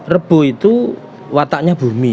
rebu itu wataknya bumi